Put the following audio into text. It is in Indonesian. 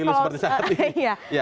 pemilu seperti saat ini